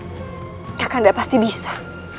kak kanda pasti bisa